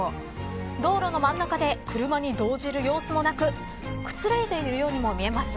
道路の真ん中で車に動じる様子もなくくつろいでいるようにも見えます。